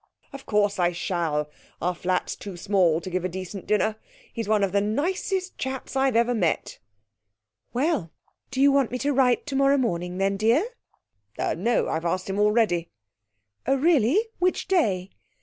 Of course I shall. Our flat's too small to give a decent dinner. He's one of the nicest chaps I've ever met.' 'Well, do you want me to write tomorrow morning then, dear?' 'Er no I have asked him already.' 'Oh, really which day?'